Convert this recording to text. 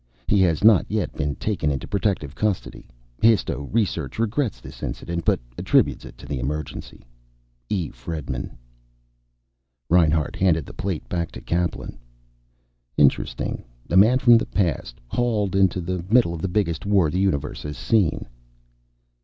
He has not yet been taken into protective custody. Histo research regrets this incident, but attributes it to the emergency. E. Fredman Reinhart handed the plate back to Kaplan. "Interesting. A man from the past hauled into the middle of the biggest war the universe has seen."